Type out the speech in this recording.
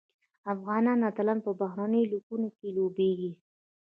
افغان اتلان په بهرنیو لیګونو کې لوبیږي.